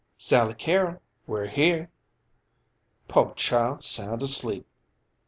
"Sally Carrol, we're here!" "Poor chile's soun' asleep."